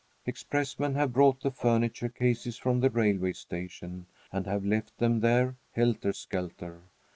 Expressmen have brought the furniture cases from the railway station and have left them there, helter skelter.